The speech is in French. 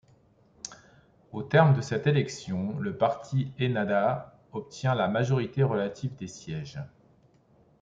Au terme de cette élection, le parti Ennahdha obtient la majorité relative des sièges.